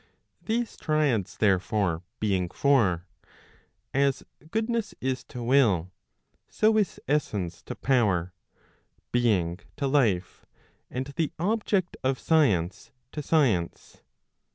These triads therefore being four, as goodness is to will, so is essence to power, being to life, and the object of science to science.